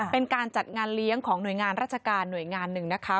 เป็นการจัดงานเลี้ยงของหน่วยงานราชการหน่วยงานหนึ่งนะคะ